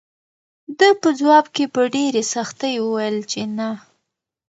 ده په ځواب کې په ډېرې سختۍ وویل چې نه.